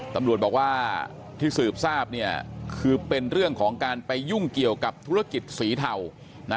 ตำรวจบอกว่าที่สืบทราบเนี่ยคือเป็นเรื่องของการไปยุ่งเกี่ยวกับธุรกิจสีเทานะ